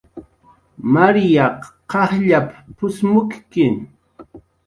"Marya qajll p""usmukki"